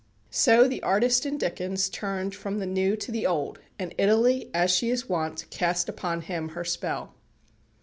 So the artist in Dickens turned from the new to the old, and Italy, as she is wont, cast upon him her spell.